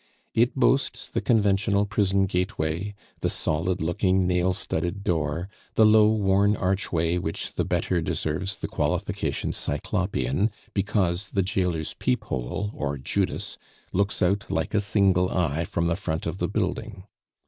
It boasts the conventional prison gateway, the solid looking, nail studded door, the low, worn archway which the better deserves the qualification "cyclopean," because the jailer's peephole or judas looks out like a single eye from the front of the building.